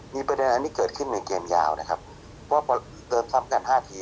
มีประเด็นอันนี้เกิดขึ้นในเกมยาวนะครับว่าพอเติมซ้ำกัน๕ที